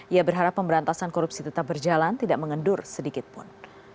ia berharap pemberantasan korupsi tetap berjalan tidak mengendur sedikitpun